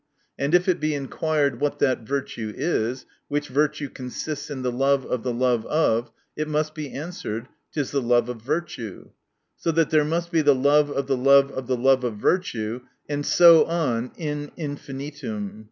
And if it be inquired, wrjttt that virtue is, which virtue consists in the love of the love of, it must be answered, it is the love of virtue. So that there must be the love of the love of the love of virtue, and so on in infinitum.